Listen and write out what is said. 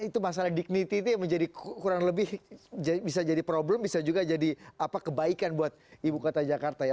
itu masalah dignity itu yang menjadi kurang lebih bisa jadi problem bisa juga jadi kebaikan buat ibu kota jakarta ya